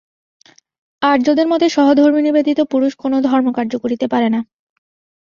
আর্যদের মতে সহধর্মিণী ব্যতীত পুরুষ কোন ধর্মকার্য করিতে পারে না।